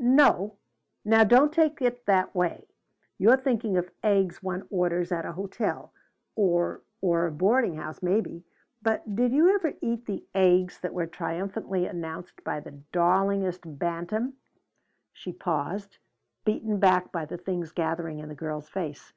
"No now don't take it that way. You're thinking of eggs one orders at a hotel, or or a boarding house, maybe. But did you ever eat the eggs that were triumphantly announced by the darlingest bantam ?" She paused beaten back by the things gathering in the girl's face.